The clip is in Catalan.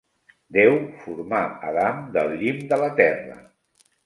Déu formà Adam del llim de la terra.